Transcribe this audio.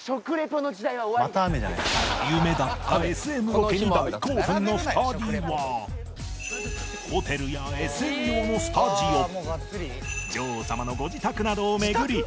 夢だった ＳＭ ロケに大興奮の２人はホテルや ＳＭ 用のスタジオ女王様のご自宅などを巡り